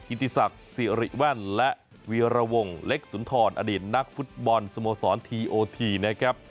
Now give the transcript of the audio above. ติศักดิ์สิริแว่นและวีรวงเล็กสุนทรอดีตนักฟุตบอลสโมสรทีโอทีนะครับ